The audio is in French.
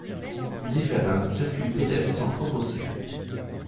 Différents circuits pédestres sont proposés.